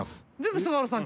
菅原さん）